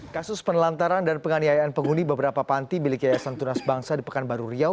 kasus penelantaran dan penganiayaan penghuni beberapa panti milik yayasan tunas bangsa di pekanbaru riau